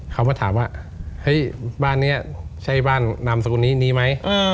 เขามาถามว่าเฮ้ยบ้านนี้ใช่บ้านนามสกุลนี้นี้ไหม